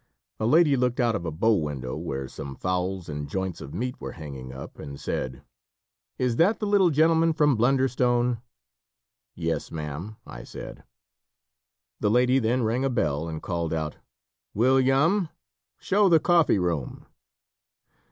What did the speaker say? A lady looked out of a bow window where some fowls and joints of meat were hanging up, and said: "Is that the little gentleman from Blunder stone?" "Yes, ma'am," I said. The lady then rang a bell and called out: "William! show the coffee room!"